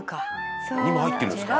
「にも入ってるんですか？」